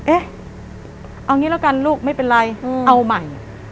เอ๊ะเอางี้แล้วกันลูกไม่เป็นไรเอาใหม่